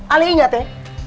ala ingat ya